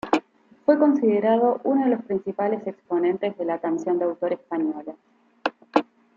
Fue considerado uno de los principales exponentes de la canción de autor española.